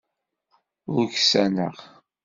Ur ksaneɣ.